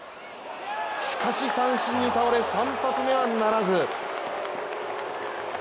しかし、三振に倒れ３発目はならず。